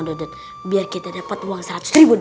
dodet biar kita dapat uang seratus daripada